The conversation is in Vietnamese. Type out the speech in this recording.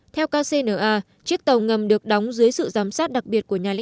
theo kcna chiếc tàu ngầm được đóng dưới sự giám sát đặc biệt của nhà lãnh đạo